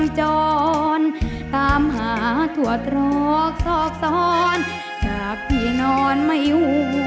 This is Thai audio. รุ่นดนตร์บุรีนามีดังใบปุ่ม